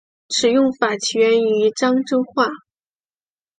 此用法起源于漳州话。